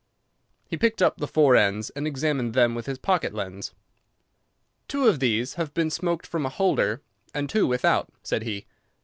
He picked up the four ends and examined them with his pocket lens. "Two of these have been smoked from a holder and two without," said he.